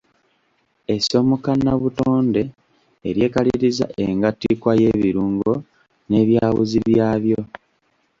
Essomo kannabutonde eryekaliriza engattikwa y'ebirungo n'ebyawuzi byabyo.